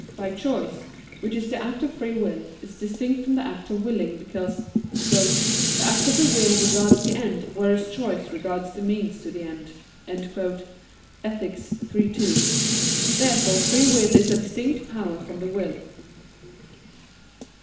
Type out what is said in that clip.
But choice, which is the act of free will, is distinct from the act of willing, because "the act of the will regards the end, whereas choice regards the means to the end" (Ethic. iii, 2). Therefore free will is a distinct power from the will.